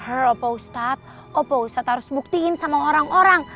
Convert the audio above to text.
her opa ustad opa ustad harus buktiin sama orang orang